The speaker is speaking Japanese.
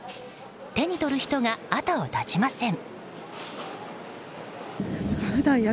手に取る人が後を絶ちません。